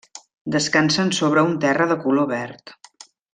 Descansen sobre un terra de color verd.